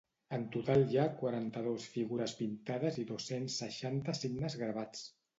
En total hi ha quaranta-dos figures pintades i dos-cents seixanta signes gravats.